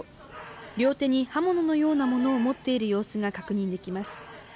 両手に刃物のようなものを持っている様子が確認できます。